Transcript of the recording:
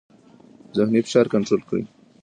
ذهني فشار کنټرول کړئ.